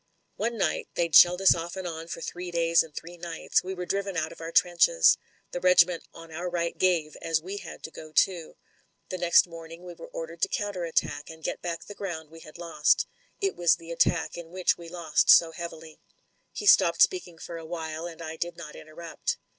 One night — ^the/d shelled us off and on for three days and three nights — ^we were driven out of our trenches. The regiment on our right gave, and we had to go too. The next morning we 114 MEN, WOMEN AND GUNS were ordered to counter attack, and get back the ground we had lost. It was the attack in which we lost so heavily." He stopped speaking for a while, and I did not interrupt.